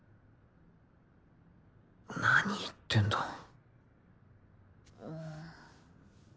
何言ってんだん。